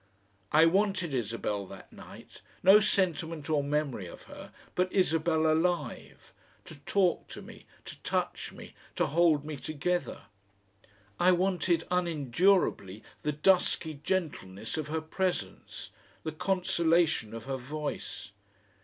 I wanted Isabel that night, no sentiment or memory of her, but Isabel alive, to talk to me, to touch me, to hold me together. I wanted unendurably the dusky gentleness of her presence, the consolation of her voice.